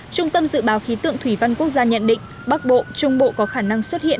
trung tâm dự báo khí tượng thủy văn quốc gia nhận định bắc bộ trung bộ có khả năng xuất hiện